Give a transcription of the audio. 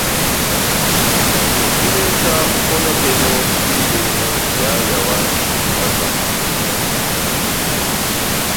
Nguneta ukonekeno kuli yena yaya wami wazango.